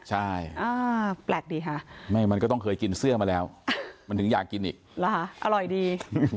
ใช่แปลกดีค่ะไม่มันก็ต้องเคยกินเสื้อมาแล้วมันถึงอยากกินอีกอร่อยดี